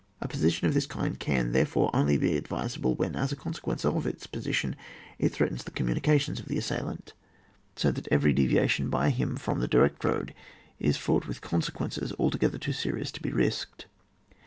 A position of this kind can, therefore, only be advisable when, as a consequence of its positian, it threatens the communications of the assailant, so that every deviation by him from the direct road is frtiught with consequences altogether too serious to be risked.